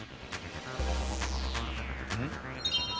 うん？